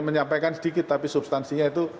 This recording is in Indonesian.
menyampaikan sedikit tapi substansinya itu